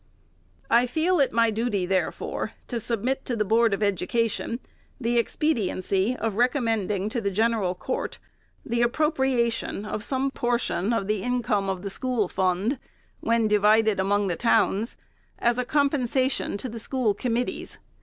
I feel it my duty, therefore, to submit to the Board of Education the expediency of recommending to the gen eral court, the appropriation of some portion of the in come of the school fund, when divided among the towns, as a compensation to school committees.